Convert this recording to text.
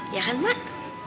ya kan mak